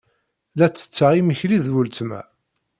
La ttetteɣ imekli ed weltma.